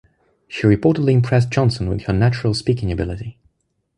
She reportedly impressed Johnson with her natural speaking ability.